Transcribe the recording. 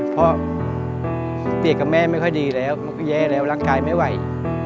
เพราะเตี๋ยกับแม่ไม่ค่อยดีแล้วมันก็แย่แล้วร่างกายไม่ไหว